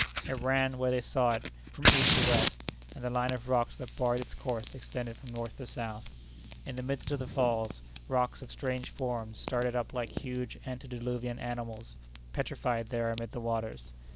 It ran, where they saw it, from east to west, and the line of rocks that barred its course extended from north to south. In the midst of the falls, rocks of strange forms started up like huge ante diluvian animals, petrified there amid the waters.